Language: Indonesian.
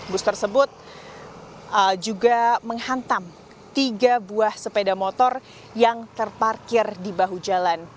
bus tersebut juga menghantam tiga buah sepeda motor yang terparkir di bahu jalan